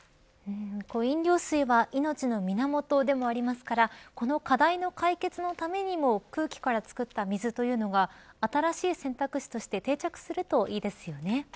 飲料水は命の源でもありますから、今この課題の解決のためにも空気から作った水というのが新しい選択肢として定着するといいですよね。